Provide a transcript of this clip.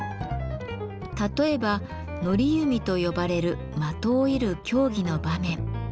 例えば賭弓と呼ばれる的を射る競技の場面。